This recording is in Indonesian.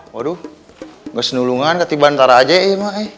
waduh gak senulungan ketiba ntar aja ya mak